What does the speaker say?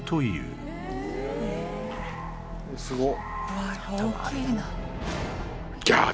すごっ。